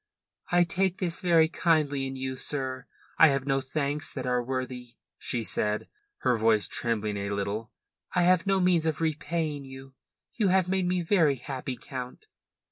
"I take this very kindly in you, sir. I have no thanks that are worthy," she said, her voice trembling a little. "I have no means of repaying you. You have made me very happy, Count."